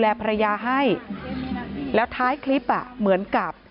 แล้วท้ายคลิปเหมือนกับ